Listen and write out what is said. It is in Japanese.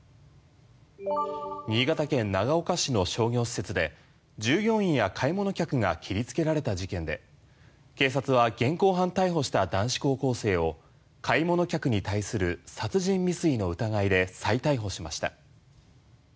新潟県長岡市の商業施設で従業員や買い物客が切りつけられた事件で警察は現行犯逮捕した男子高校生を買い物客に対する殺人未遂の疑いで再逮捕しました。